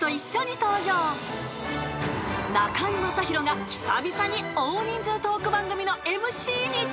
［中居正広が久々に大人数トーク番組のＭＣに］